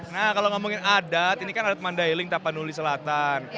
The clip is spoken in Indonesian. nah kalau ngomongin adat ini kan adat mandailing tapanuli selatan